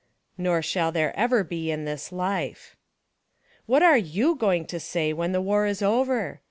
Nor shall there ever be in this LIFE. What are yoii going to say when the war is over?